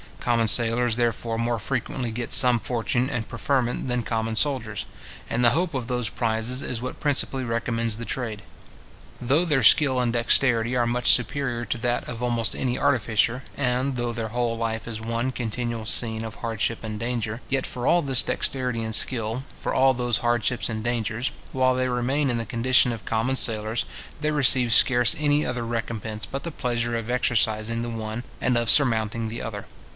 Common sailors, therefore, more frequently get some fortune and preferment than common soldiers; and the hope of those prizes is what principally recommends the trade. Though their skill and dexterity are much superior to that of almost any artificers; and though their whole life is one continual scene of hardship and danger; yet for all this dexterity and skill, for all those hardships and dangers, while they remain in the condition of common sailors, they receive scarce any other recompence but the pleasure of exercising the one and of surmounting the other.